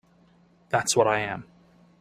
That's what I am.